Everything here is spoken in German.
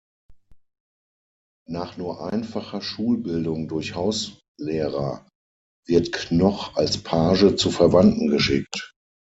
Nach nur einfacher Schulbildung durch Hauslehrer wird Knoch als Page zu Verwandten geschickt.